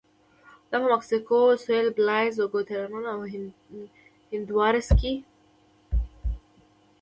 دا په مکسیکو سوېل، بلایز، ګواتیمالا او هندوراس کې و